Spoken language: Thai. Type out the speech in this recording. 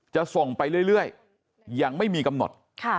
จะส่งไปเรื่อยยังไม่มีกำหนด